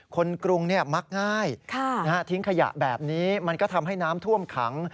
กรุงมักง่ายทิ้งขยะแบบนี้มันก็ทำให้น้ำท่วมขัง